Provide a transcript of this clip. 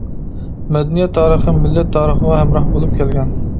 مەدەنىيەت تارىخى مىللەت تارىخىغا ھەمراھ بولۇپ كەلگەن.